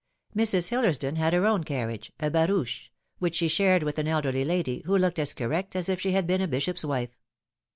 Mrs. Hillersdon had her own carriage a barouche which she shared with an elderly lady, who looked as correct as if she had been a bishop's wife.